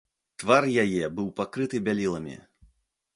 Твар яе быў пакрыты бяліламі.